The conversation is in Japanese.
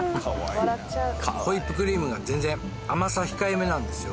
ホイップクリームが全然甘さ控え目なんですよ。